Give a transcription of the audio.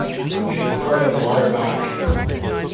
It is a part of Lauterbach.